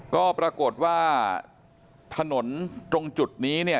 ก็ปรากฏว่าถนนตรงจุดนี้เนี่ย